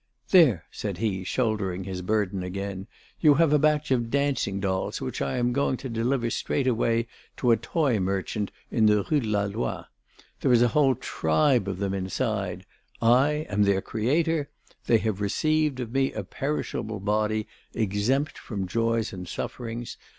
"There," said he, shouldering his burden again, "you have a batch of dancing dolls which I am going to deliver straight away to a toy merchant in the Rue de la Loi. There is a whole tribe of them inside; I am their creator; they have received of me a perishable body, exempt from joys and sufferings.